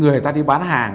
người ta đi bán hàng